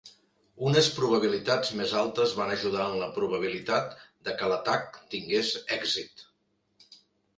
Unes probabilitats més altes van ajudar en la probabilitat de que l'atac tingués èxit.